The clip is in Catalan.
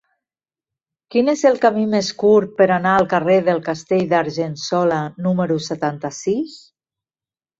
Quin és el camí més curt per anar al carrer del Castell d'Argençola número setanta-sis?